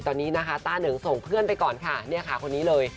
ตอนนี้นะคะต้าเหนิงส่งเพื่อนไปก่อนค่ะเนี่ยค่ะคนนี้เลย